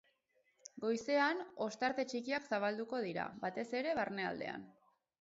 Goizean, ostarte txikiak zabalduko dira, batez ere barnealdean.